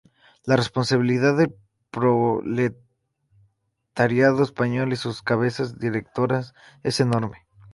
La responsabilidad del proletariado español y sus cabezas directoras es enorme.